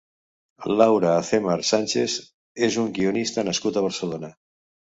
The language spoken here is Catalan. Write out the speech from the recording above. Laura Azemar Sánchez és un guionista nascut a Barcelona.